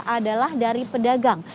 adalah dari pedagang